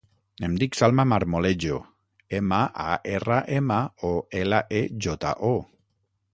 Em dic Salma Marmolejo: ema, a, erra, ema, o, ela, e, jota, o.